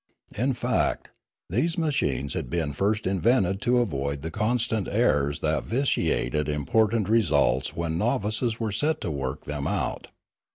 In fact, these machines had been first invented to avoid the constant errors that vitiated important results when novices were set to work them out.